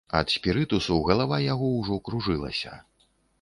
Ад спірытусу галава яго ўжо кружылася.